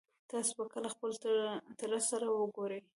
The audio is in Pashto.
تاسو به کله خپل تره سره وګورئ